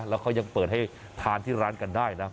แล้วเขายังเปิดให้ทานที่ร้านกันได้นะ